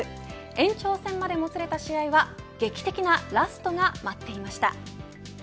延長戦までもつれた試合は劇的なラストが待っていました。